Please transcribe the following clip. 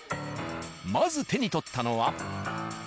まず手に取ったのは。